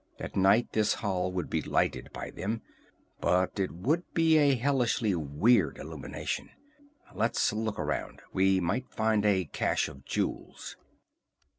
At night this hall would be lighted by them, but it would be a hellishly weird illumination. Let's look around. We might find a cache of jewels."